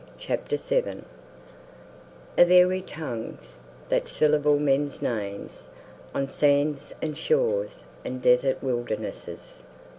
CHAPTER VII Of aery tongues, that syllable men's names On sands and shores and desert wildernesses.